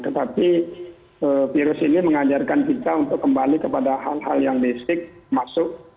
tetapi virus ini mengajarkan kita untuk kembali kepada hal hal yang basic masuk